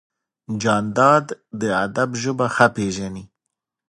جانداد د ادب ژبه ښه پېژني.